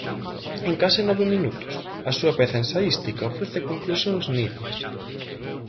En case nove minutos, a súa peza ensaística ofrece conclusións nidias.